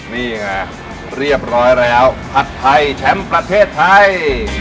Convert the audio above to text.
นี่ไงเรียบร้อยแล้วผัดไทยแชมป์ประเทศไทย